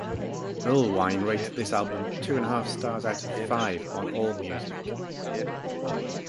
Erlewine rated this album two-and-a-half stars out of five on Allmusic.